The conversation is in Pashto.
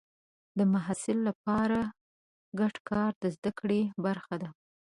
د محصل لپاره ګډ کار د زده کړې برخه ده.